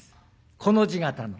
コの字形の。